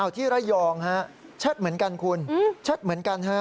ที่ระยองฮะชัดเหมือนกันคุณชัดเหมือนกันฮะ